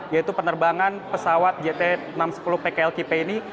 yaitu penerbangan pesawat jt enam ratus sepuluh pklkp ini